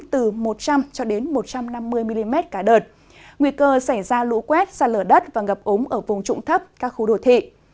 từ một trăm linh cho đến một trăm năm mươi mm cả đợt nguy cơ xảy ra lũ quét xa lở đất và ngập ống ở vùng trụng thấp các khu đồ thị